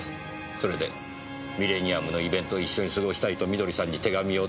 それでミレニアムのイベントを一緒に過ごしたいと美登里さんに手紙を出した。